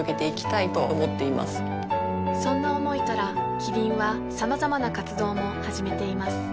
そんな思いからキリンはさまざまな活動も始めています